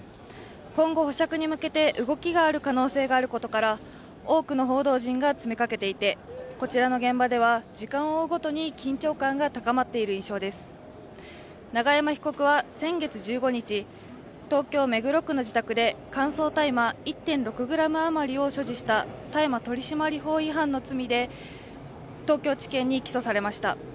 今後、保釈に向けて動きがある可能性があることから多くの報道陣が詰めかけていて、こちらの現場では時間を追うごとに、緊張感が高まっている印象です永山被告は先月１５日、東京・目黒区の自宅で乾燥大麻１．６ｇ余りを所持した大麻取締法違反の罪で東京地検に起訴されました。